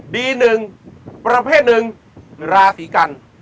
ดี๑ประเภท๑ราศรีกัน